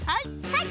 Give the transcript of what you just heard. はい！